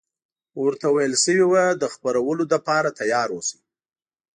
ورته ویل شوي وو د خپرولو لپاره تیار اوسي.